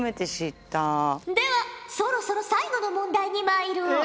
ではそろそろ最後の問題にまいろう。